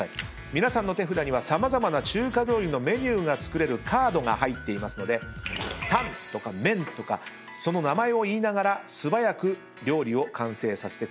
皆さんの手札には様々な中華料理のメニューが作れるカードが入っていますのでタンとかメンとかその名前を言いながら素早く料理を完成させてください。